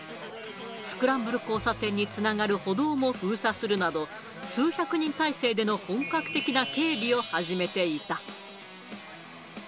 スクランブル交差点につながる歩道も封鎖するなど、数百人態勢での本格的な警備を始めていた。